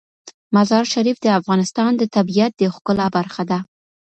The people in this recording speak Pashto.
مزارشریف د افغانستان د طبیعت د ښکلا برخه ده.